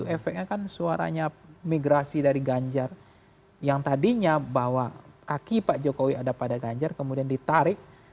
efeknya kan suaranya migrasi dari ganjar yang tadinya bahwa kaki pak jokowi ada pada ganjar kemudian ditarik